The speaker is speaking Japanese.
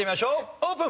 オープン！